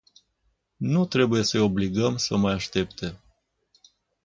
Nu trebuie să îi obligăm să mai aștepte.